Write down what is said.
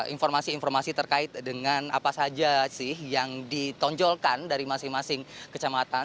informasi informasi terkait dengan apa saja sih yang ditonjolkan dari masing masing kecamatan